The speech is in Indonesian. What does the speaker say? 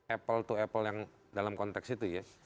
apple to apple yang dalam konteks itu ya